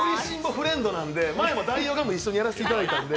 フレンドなんで前も代用ガム、一緒にやらせていただいたんで。